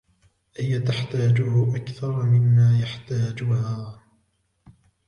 هي تحتاجه أكثر ممّا يحتاجها.